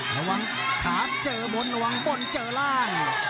ดวงขาเจอบนดวงบนเจอร่าง